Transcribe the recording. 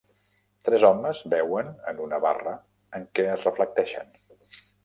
Tres homes beuen en una barra en què es reflecteixen.